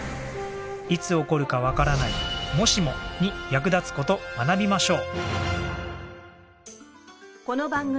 いつ起こるかわからない「もしも」に役立つ事学びましょう。